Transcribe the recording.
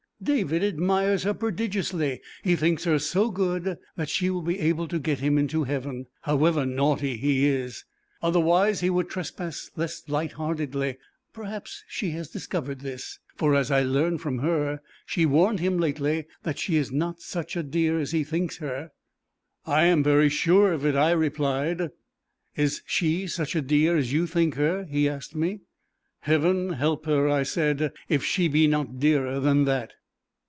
David admires her prodigiously; he thinks her so good that she will be able to get him into heaven, however naughty he is. Otherwise he would trespass less light heartedly. Perhaps she has discovered this; for, as I learn from him, she warned him lately that she is not such a dear as he thinks her. "I am very sure of it," I replied. "Is she such a dear as you think her?" he asked me. "Heaven help her," I said, "if she be not dearer than that."